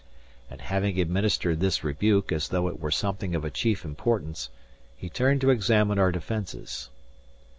And having administered this rebuke, as though it were something of a chief importance, he turned to examine our defences.